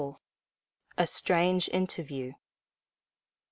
LXXIV. A STRANGE INTERVIEW.